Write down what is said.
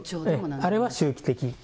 あれは周期的？